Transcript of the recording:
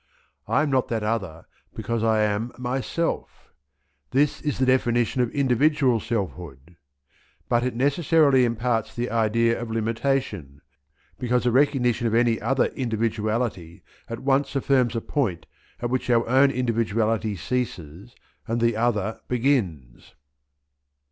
"I am not that other because I am myself" this is the definition of individual selfhood; but it necessarily imparts the idea of limitation, because the recognition of any other individuality at once affirms a point at which our own individuality ceases and the other begins.